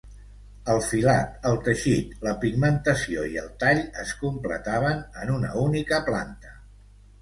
El filat, el teixit, la pigmentació i el tall es completaven en una única planta.